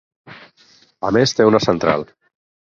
A més, té una central.